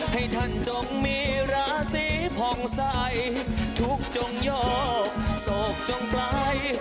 ให้ท่านจงมีราศีผ่องใสทุกจงโยกโศกจงไป